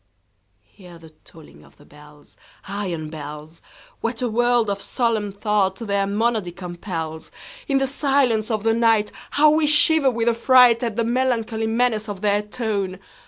Hear the tolling of the bells, Iron bells! What a world of solemn thought their monody compels! In the silence of the nightHow we shiver with affrightAt the melancholy menace of their tone!